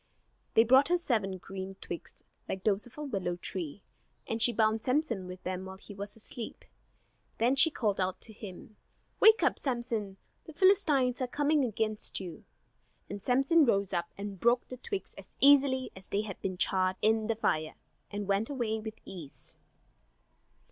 They brought her seven green twigs, like those of a willow tree; and she bound Samson with them while he was asleep. Then she called out to him: "Wake up, Samson, the Philistines are coming against you!" And Samson rose up and broke the twigs as easily as if they had been charred in the fire, and went away with ease.